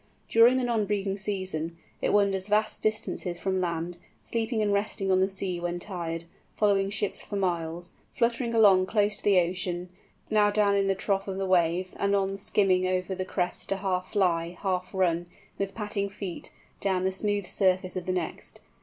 During the non breeding season it wanders vast distances from land, sleeping and resting on the sea when tired, following ships for miles, fluttering along close to the ocean, now down into the trough of the wave, anon skimming over the crest to half fly, half run, with patting feet, down the smooth surface of the next.